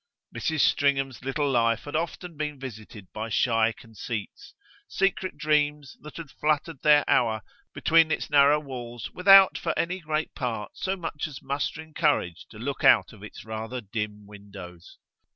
Mrs. Stringham's little life had often been visited by shy conceits secret dreams that had fluttered their hour between its narrow walls without, for any great part, so much as mustering courage to look out of its rather dim windows.